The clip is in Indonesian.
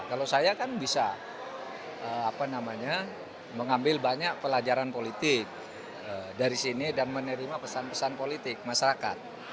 kalau saya kan bisa mengambil banyak pelajaran politik dari sini dan menerima pesan pesan politik masyarakat